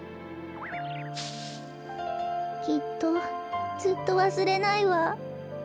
きっとずっとわすれないわ。